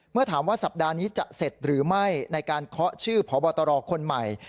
เมื่อถามว่าสัปดาห์นี้จะเสร็จหรือไม่ในการเคาะชื่อพบตรคนใหม่